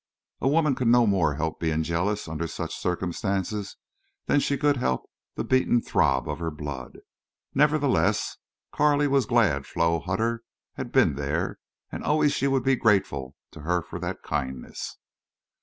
A woman could no more help being jealous, under such circumstances, than she could help the beat and throb of her blood. Nevertheless, Carley was glad Flo Hutter had been there, and always she would be grateful to her for that kindness.